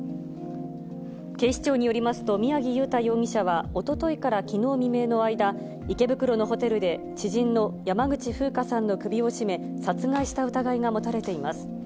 警視庁によりますと、宮城祐太容疑者は、おとといからきのう未明の間、池袋のホテルで、知人の山口ふうかさんの首を絞め、殺害した疑いが持たれています。